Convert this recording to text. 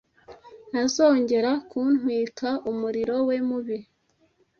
ntazongera kuntwika umuriro we mubi